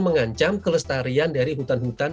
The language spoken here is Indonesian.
mengancam kelestarian dari hutan hutan